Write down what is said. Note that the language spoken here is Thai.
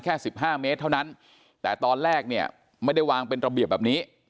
แค่สิบห้าเมตรเท่านั้นแต่ตอนแรกเนี่ยไม่ได้วางเป็นระเบียบแบบนี้